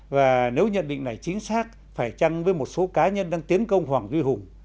và nếu nhận định này chính xác phải chăng với một số cá nhân đang tiến công hoàng duy hùng